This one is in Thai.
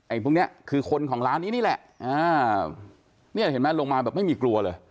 พวกเนี้ยคือคนของร้านนี้นี่แหละอ่าเนี่ยเห็นไหมลงมาแบบไม่มีกลัวเลย